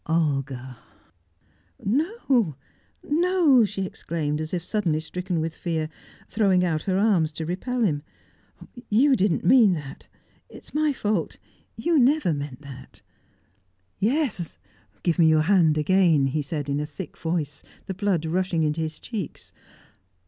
"Olga " "No, no!" she exclaimed, as if suddenly stricken with fear, throwing out her arms to repel him. "You didn't mean that! It is my fault. You never meant that." "Yes! Give me your hand again!" he said in a thick voice, the blood rushing into his cheeks.